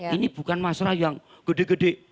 ini bukan masalah yang gede gede